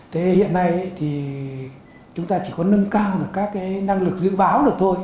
thế hiện nay thì chúng ta chỉ có nâng cao được các cái năng lực dự báo được thôi